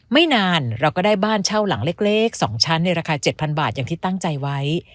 ไม่นานเราก็ได้บ้านเช่าหลังเล็ก๒ชั้นในราคา๗๐๐บาทอย่างที่ตั้งใจไว้